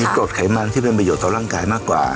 กดไขมันที่เป็นประโยชน์ต่อร่างกายมากกว่า